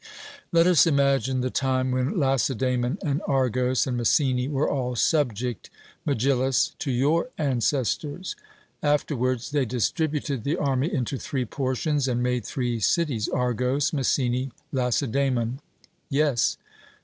Let us imagine the time when Lacedaemon, and Argos, and Messene were all subject, Megillus, to your ancestors. Afterwards, they distributed the army into three portions, and made three cities Argos, Messene, Lacedaemon. 'Yes.'